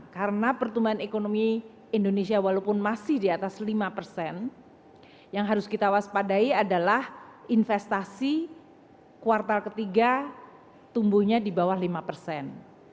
karena pertumbuhan ekonomi indonesia walaupun masih di atas lima persen yang harus kita waspadai adalah investasi kuartal ketiga tumbuhnya di bawah lima persen